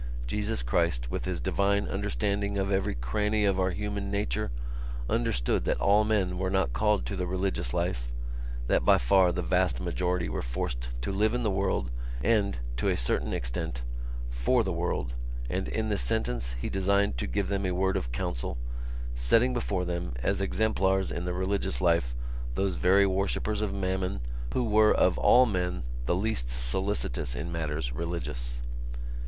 Jesus Christ, with His divine understanding of every cranny of our human nature, understood that all men were not called to the religious life, that by far the vast majority were forced to live in the world and, to a certain extent, for the world: and in this sentence He designed to give them a word of counsel, setting before them as exemplars in the religious life those very worshippers of Mammon who were of all men the least solicitous in matters religious.